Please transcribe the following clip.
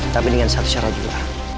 tapi dengan satu syarat dua